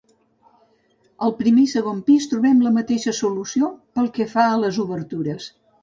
Al primer i segon pis trobem la mateixa solució pel que fa a les obertures.